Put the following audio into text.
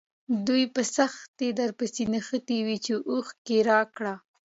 دوی په سختۍ درپسې نښتي وي چې اوښ کرایه کړه.